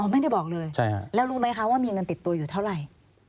ไม่ได้บอกเลยแล้วรู้ไหมคะว่ามีเงินติดตัวอยู่เท่าไหร่